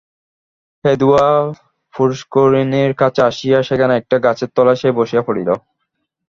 হেদুয়া পুষ্করিণীর কাছে আসিয়া সেখানে একটা গাছের তলায় সে বসিয়া পড়িল।